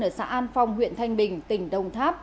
ở xã an phong huyện thanh bình tỉnh đồng tháp